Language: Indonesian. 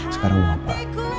sekarang mau apa